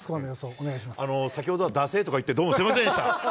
お願先ほどはだせえとか言って、どうもすみませんでした。